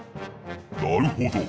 なるほど。